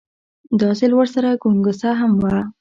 دا ځل ورسره ګونګسه هم وه.